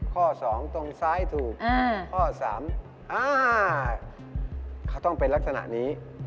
ข้อ๒ตรงซ้ายถูกข้อ๓เขาต้องเป็นลักษณะนี้